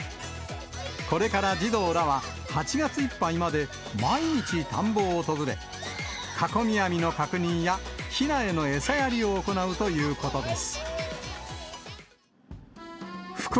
これから児童らは、８月いっぱいまで毎日田んぼを訪れ、囲み網の確認や、ひなへの餌やりを行うということです。